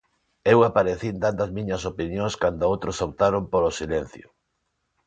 Eu aparecín dando as miñas opinións cando outros optaron polo silencio.